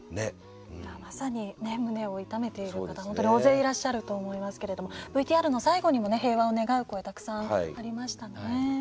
まさに胸を痛めている方は大勢いらっしゃると思いますけれどもＶＴＲの最後にも平和への願いがありましたね。